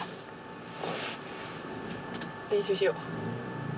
練習しよ。